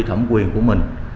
thẩm quyền của mình